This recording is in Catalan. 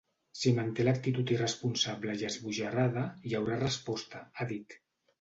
Si manté l’actitud irresponsable i esbojarrada, hi haurà resposta, ha dit.